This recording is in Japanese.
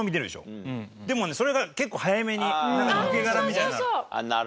でもそれが結構早めになんか抜け殻みたいになる。